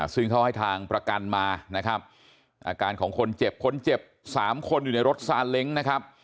ซึ่งเขาให้ทางประกันมานะครับอาการของคนเจ็บคนเจ็บ๓คนอยู่ในรถซาเล้งนะครับ